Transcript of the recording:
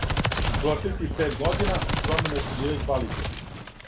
У протеклих пет година, промене су биле квалитетне.